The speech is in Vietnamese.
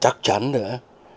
chắc chắn nữa